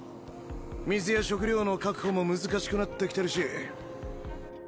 水や食料の確保も難しくなってきてるしそろそろ